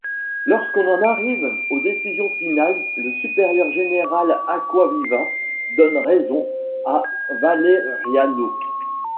Lorsqu’on en arrive aux décisions finales, le supérieur général Acquaviva donne raison à Valeriano.